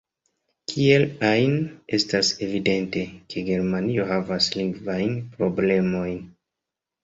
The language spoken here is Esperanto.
Kiel ajn, estas evidente, ke Germanio havas lingvajn problemojn.